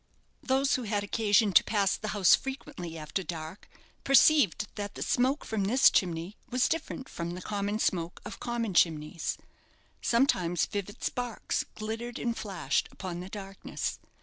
Those who had occasion to pass the house frequently after dark perceived that the smoke from this chimney was different from the common smoke of common chimneys. Sometimes vivid sparks glittered and flashed upon the darkness.